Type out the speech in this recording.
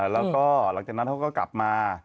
แล้วก็หลังจากนั้นเขาก็กลับมา